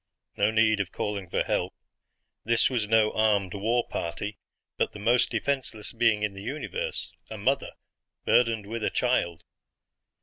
No need of calling for help. This was no armed war party, but the most defenseless being in the Universe a mother burdened with a child.